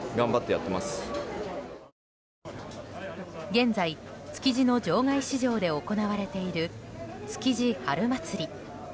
現在、築地の場外市場で行われている築地春祭り。